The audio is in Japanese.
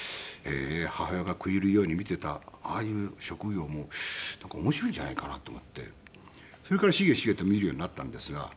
母親が食い入るように見ていたああいう職業も面白いんじゃないかなと思ってそれからしげしげと見るようになったんですが。